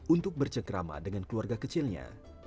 untuk bercengkrama dengan keluarga kecilnya